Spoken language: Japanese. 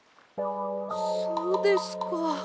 そうですか。